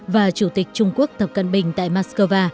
và chủ tịch trung quốc tập cận bình tại moscow